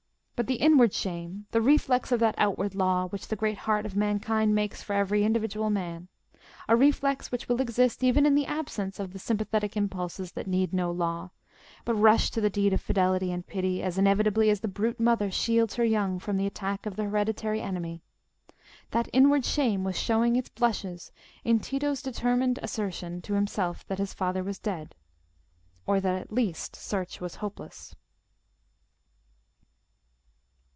But the inward shame, the reflex of that outward law which the great heart of mankind makes for every individual man, a reflex which will exist even in the absence of the sympathetic impulses that need no law, but rush to the deed of fidelity and pity as inevitably as the brute mother shields her young from the attack of the hereditary enemy—that inward shame was showing its blushes in Tito's determined assertion to himself that his father was dead, or that at least search was hopeless.